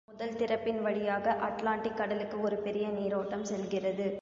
முதல் திறப்பின் வழியாக அட்லாண்டிக் கடலுக்கு ஒரு பெரிய நீரோட்டம் செல்கிறது.